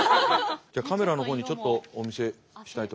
じゃあカメラの方にちょっとお見せしたいと思います。